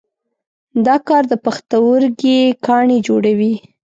دا کار د پښتورګي کاڼي جوړوي.